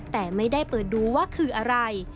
แต่ไม่ได้เปิดดูว่าคืออะไร